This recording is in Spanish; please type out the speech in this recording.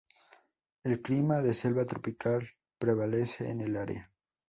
El clima de selva tropical prevalece en el área.